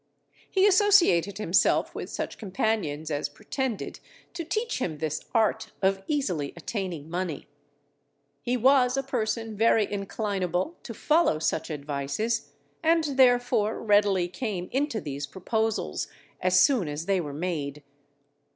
He associated himself with such companions as pretended to teach him this art of easily attaining money. He was a person very inclinable to follow such advices, and therefore readily came into these proposals as soon as they were made.